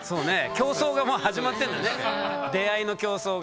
競争がもう始まってんのね出会いの競争が。